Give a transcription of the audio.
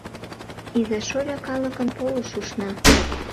Иза-шольо калыкын полыш ушна.